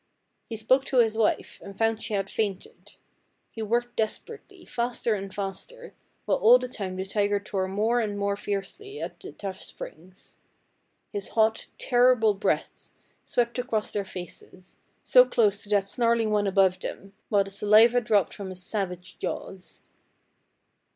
He spoke to his wife, and found she had fainted. He worked desperately, faster and faster, while all the time the tiger tore more and more fiercely at the tough springs. His hot, terrible breath swept across their faces, so close to that snarling one above them, while the saliva dropped from his savage jaws.